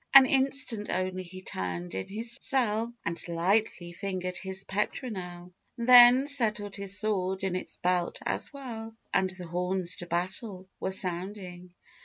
An instant only he turned in his sell, And lightly fingered his petronel, Then settled his sword in its belt as well, And the horns to battle were sounding.